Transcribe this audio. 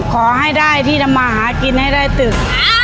ขอให้ได้ที่ทำมาหากินให้ได้ตึก